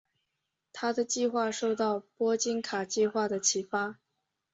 他的计划受到波金卡计划的启发。